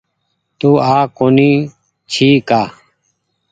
تو آ ڪونيٚ ڇي ڪآ۔